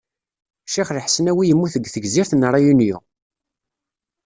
Ccix Lḥesnawi yemmut deg tegzirt n Réunion.